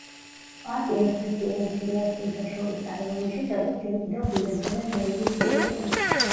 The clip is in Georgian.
პარკი ერთ-ერთია იმ მცირე ადგილთა შორის ტაილანდში, სადაც ჯერ კიდევ ბინადრობენ ველური სპილოები.